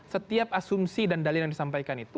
setiap asumsi dan dalil yang disampaikan itu